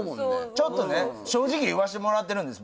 ちょっとね正直言わせてもらってるんです